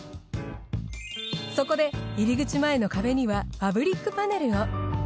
そこで入り口前の壁にはファブリックパネルを。